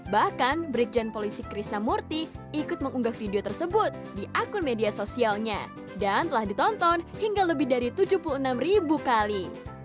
bahkan brigjen polisi krisna murti ikut mengunggah video tersebut di akun media sosialnya dan telah ditonton hingga lebih dari tujuh puluh enam ribu kali